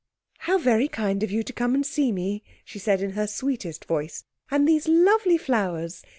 'How very kind of you to come and see me,' she said in her sweetest voice, 'and these lovely flowers!